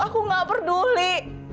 aku gak peduli